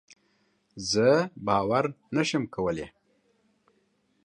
زه باور نشم کولی.